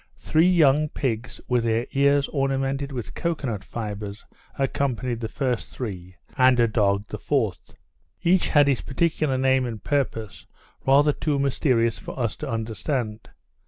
Three young pigs, with their ears ornamented with cocoa nut fibres, accompanied the first three; and a dog, the fourth. Each had its particular name and purpose, rather too mysterious for us to understand.